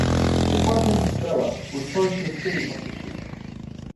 The part named "Vela" refers to the sails of the ship.